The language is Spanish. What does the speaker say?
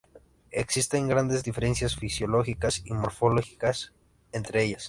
Existen grandes diferencias fisiológicas y morfológicas entre ellas.